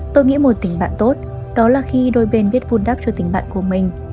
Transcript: tôi nghĩ một tình bạn tốt đó là khi đôi bên biết vun đắp cho tình bạn của mình